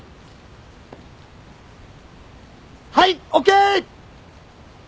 はいＯＫ！